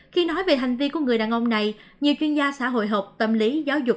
khi nói về hành vi của người đàn ông này nhiều chuyên gia xã hội học tâm lý giáo dục